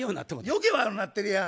余計悪ぅなってるやん。